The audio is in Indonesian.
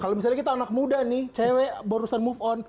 kalau misalnya kita anak muda nih cewek barusan move on